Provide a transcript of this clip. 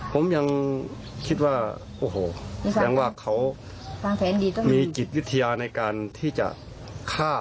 ผมยังคิดว่าโอ้โหแสดงว่าเขามีจิตวิทยาในการที่จะฆ่า